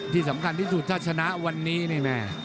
ที่สำคัญที่สุดถ้าชนะวันนี้นี่แม่